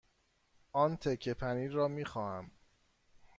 آن تکه پنیر را می خواهم.